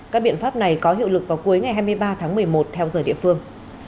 các biện pháp này có hiệu lực vào cuối ngày hai mươi ba tháng một mươi một theo giờ địa phương